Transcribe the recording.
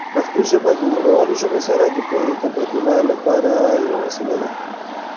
پښتو ژبه د نړیوالو ژبو سره د پوهې تبادله لپاره یوه وسیله ده.